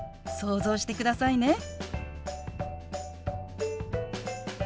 想像してくださいね。